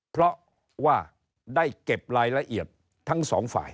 เพราะว่าได้เก็บรายละเอียดทั้งสองฝ่าย